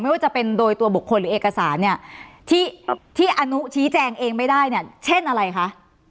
ไม่ว่าจะเป็นโดยตัวบุคคลหรือเอกสารเนี่ยที่อนุชี้แจงเองไม่ได้เนี่ยเช่นอะไรคะ